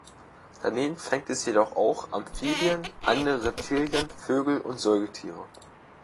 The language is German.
Daneben fängt es jedoch auch Amphibien, andere Reptilien, Vögel und Säugetiere.